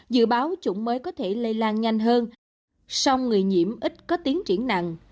dự báo chủng mới có thể lây lan nhanh hơn song người nhiễm ít có tiến triển nặng